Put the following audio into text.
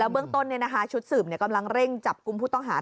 เมื่อต้นชุดสืบเร่งจับกลุ่มผู้ต้องหา